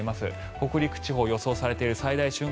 北陸地方、予想されている最大瞬間